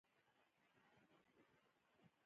زما پلار د کلي د ښوونځي د جوړولو لپاره مرسته کوي